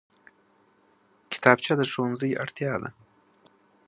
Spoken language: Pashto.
کتابچه د ښوونځي اړتیا ده